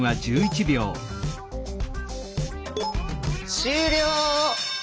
終了！